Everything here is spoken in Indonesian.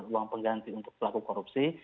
uang pengganti untuk pelaku korupsi